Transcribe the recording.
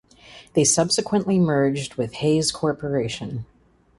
They subsequently merged with Hayes Corporation.